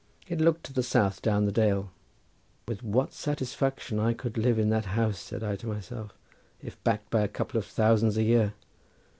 It looked to the south down the dale. "With what satisfaction I could live in that house," said I to myself, "if backed by a couple of thousands a year.